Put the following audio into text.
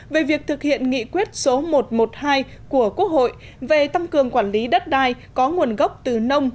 về việc thực hiện nghị quyết số một trăm một mươi hai của quốc hội về tăng cường quản lý đất đai có nguồn gốc từ nông